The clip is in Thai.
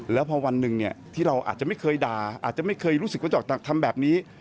แล้วพอวันหนึ่งที่เราอาจจะไม่เคยด่าอาจจะไม่เคยรู้สึกว่าจะทำแบบนี้